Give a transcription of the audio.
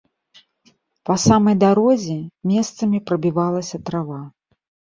Па самай дарозе месцамі прабівалася трава.